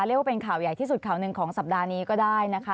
เรียกว่าเป็นข่าวใหญ่ที่สุดข่าวหนึ่งของสัปดาห์นี้ก็ได้นะคะ